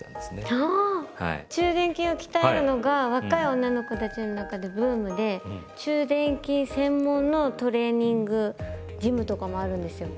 中臀筋を鍛えるのが若い女の子たちの中でブームで中臀筋専門のトレーニングジムとかもあるんですよ。